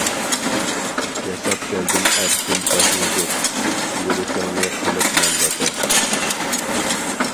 ياشاپ كەلدىم ئەركىن، بەھۇزۇر، يۈرىكىڭنى قىلىپ مەن ۋەتەن.